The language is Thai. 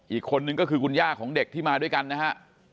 อีกคนนึงก็คือคุณย่าของเด็กที่มาด้วยกันนะฮะ